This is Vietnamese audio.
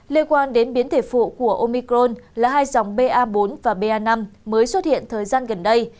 liên quan đến biến thể phụ của omicron là hai dòng ba bốn và ba năm mới xuất hiện thời gian gần đây